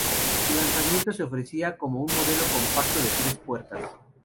En su lanzamiento se ofrecía como un modelo compacto de tres puertas.